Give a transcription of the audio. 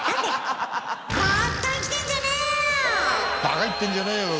バカ言ってんじゃねーよ！